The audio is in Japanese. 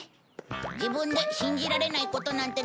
自分で信じられないことなんてダメだ。